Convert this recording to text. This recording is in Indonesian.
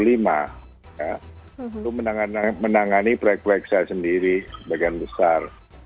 itu menangani proyek proyek saya sendiri sebagian besar